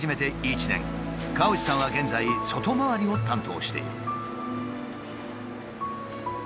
河内さんは現在外回りを担当している。